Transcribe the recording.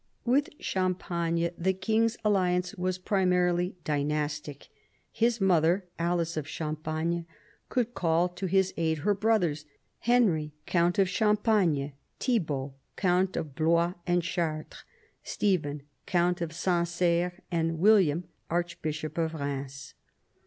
With Champagne the king's alliance was primarily dynastic. His mother, Alice of Champagne, could call to his aid her brothers, Henry, count of Champagne, Thibault, count of Blois and Chartres, Stephen, count of Sancerre, and William, archbishop of Eheims.